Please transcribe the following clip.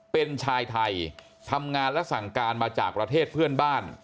เป็นชายไทยทำงานและสั่งการมาจากประเทศเพื่อนบ้าน